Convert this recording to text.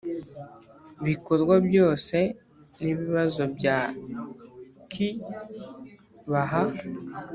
bikorwa byose n ibibazo bya ki baha